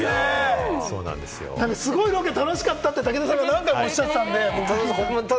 すごく楽しかったって武田さんが何回もおっしゃってました。